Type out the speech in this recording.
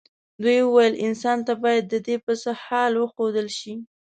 دوی وویل انسان ته باید ددې پسه حال وښودل شي.